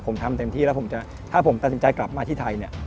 ผมทำเต็มที่แล้วถ้าผมตัดสินใจกลับมาที่ไทย